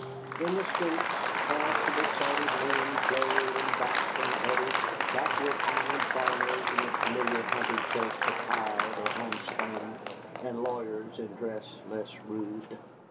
In the streets currents of excited men flowed and backed and eddied, backwoodsmen and farmers in the familiar hunting shirts of hide or homespun, and lawyers in dress less rude.